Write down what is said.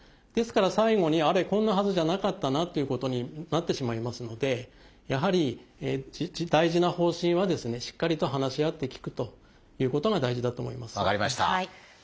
ですから最後に「あれ？こんなはずじゃなかったな」っていうことになってしまいますのでやはり大事な方針はですねしっかりと話し合って聞くということが大事だと思います。